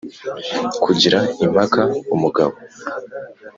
kugira impaka umugabo